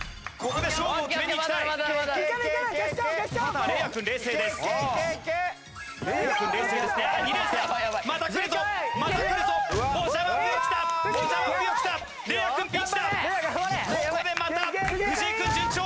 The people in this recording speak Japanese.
ここでまた藤井君順調。